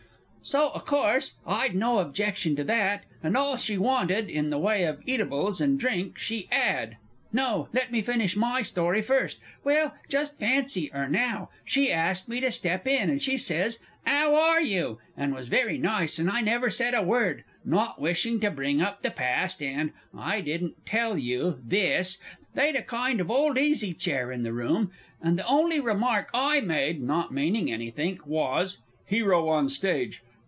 So o' course I'd no objection to that; and all she wanted, in the way of eatables and drink, she 'ad no, let me finish my story first. Well, just fancy 'er now! She asked me to step in; and she says, "Ow are you?" and was very nice, and I never said a word not wishing to bring up the past, and I didn't tell you this they'd a kind of old easy chair in the room and the only remark I made, not meaning anythink, was (HERO ON STAGE.